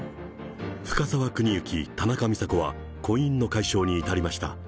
深沢邦之、田中美佐子は婚姻の解消に至りました。